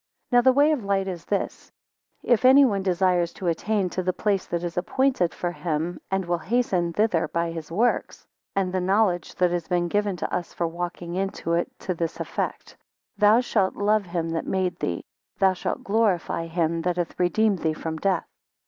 5 Now the way of light is this: If any one desires to attain to the place that is appointed for him, and will hasten thither by his works. And the knowledge that has been given to us for walking in it, to this effect: Thou shalt love him that made thee: thou shalt glorify him that hath redeemed thee from death.